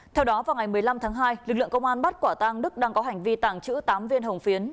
theo đó vào ngày một mươi năm tháng hai lực lượng công an bắt quả tang đức đang có hành vi tàng trữ tám viên hồng phiến